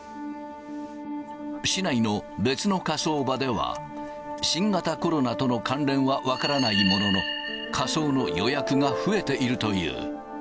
市内の別の火葬場では、新型コロナとの関連は分からないものの、火葬の予約が増えているという。